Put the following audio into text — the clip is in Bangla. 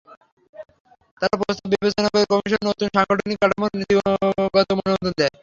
তাঁর প্রস্তাব বিবেচনা করে কমিশন নতুন সাংগঠনিক কাঠামোর নীতিগত অনুমোদন দেয়।